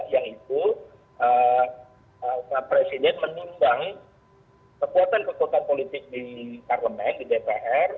yang itu presiden menundang kekuatan kekuatan politik di parlemen di dpr